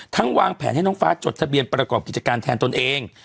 วางแผนให้น้องฟ้าจดทะเบียนประกอบกิจการแทนตนเอง